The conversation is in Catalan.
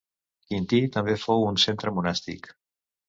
Quintí, també fou un centre monàstic.